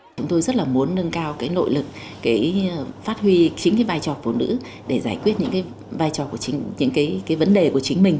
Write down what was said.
chúng tôi rất là muốn nâng cao nội lực phát huy chính vai trò phụ nữ để giải quyết những vấn đề của chính mình